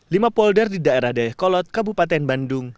lima polder di daerah daya kolot kabupaten bandung